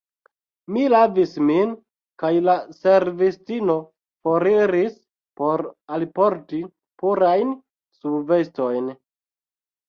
Mi lavis min kaj la servistino foriris por alporti purajn subvestojn.